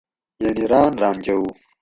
یعنی راۤن راۤن جوؤ